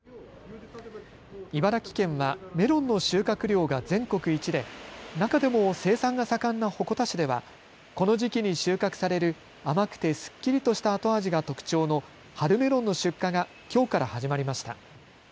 茨城県はメロンの収穫量が全国一で中でも生産が盛んな鉾田市ではこの時期に収穫される甘くてすっきりとした後味が特徴の春メロンの出荷がきょうから始まりました。